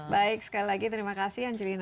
baik sekali lagi terima kasih angelina